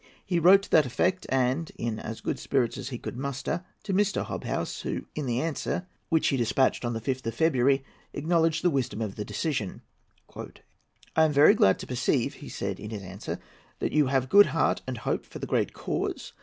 He wrote to that effect, and in as good spirits as he could muster, to Mr. Hobhouse, who in the answer which he despatched on the 5th of February acknowledged the wisdom of the decision. "I am very glad to perceive," he said in that answer, "that you have good heart and hope for the great cause.